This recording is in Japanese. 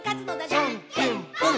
「じゃんけんぽん！！」